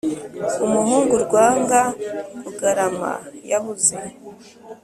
Umuhungu Rwanga kugarama yabuze